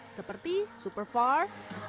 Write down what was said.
seperti super far